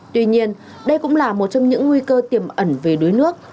tuy nhiên đây cũng là một trong những nguy cơ tiềm ẩn về đuối nước